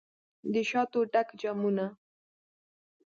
دشاتو ډک جامونه